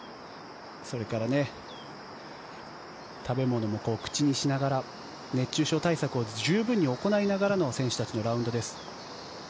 それから食べ物も口にしながら熱中症対策を十分に行いながらの選手たちのラウンドです。